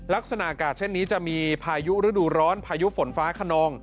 ลักษณะอากาศเช่นนี้จะมีพายุฤดูร้อนพายุฝนฟ้าขนอง